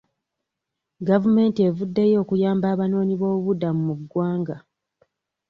Gavumenti evuddeyo okuyamba abanoonyi b'obubuddamu mu ggwanga.